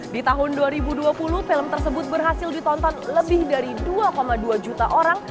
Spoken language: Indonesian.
di tahun dua ribu dua puluh film tersebut berhasil ditonton lebih dari dua dua juta orang